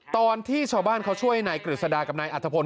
ตอนที่ชาวบ้านเขาช่วยนายกฤษดากับนายอัฐพล